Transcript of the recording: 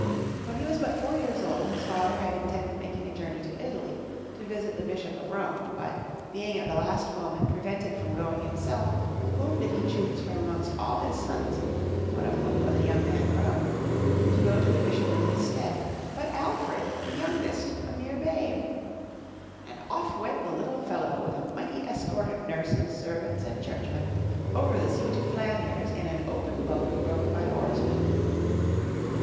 When he was but four years old, his father had intended making a journey to Italy, to visit the Bishop of Rome, but, being at the last moment prevented from going him self, whom did he choose from amongst all his sons, (one of whom was a young man grown) to go to the Bishop in his stead, but Alfred, the youngest, a mere babe! And off went the little fellow with a mighty escort of nurses, servants and churchmen, over the sea to Flanders in an open boat rowed by oarsmen.